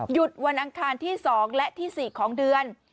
วันอังคารที่๒และที่๔ของเดือน